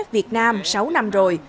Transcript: việt nam sáu năm rồi